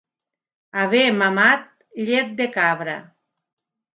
Haver mamat llet de cabra.